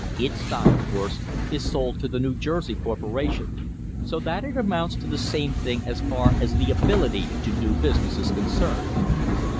Its stock, of course, is sold to the New Jersey corporation, so that it amounts to the same thing as far as the ability to do business is concerned.